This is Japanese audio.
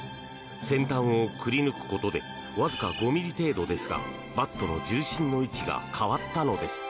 先端をくり抜くことでわずか５ｍｍ程度ですがバットの重心の位置が変わったのです。